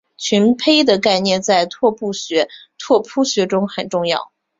群胚的概念在拓扑学中很重要。